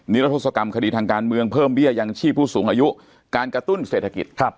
รัทธศกรรมคดีทางการเมืองเพิ่มเบี้ยยังชีพผู้สูงอายุการกระตุ้นเศรษฐกิจ